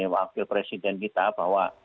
wakil presiden kita bahwa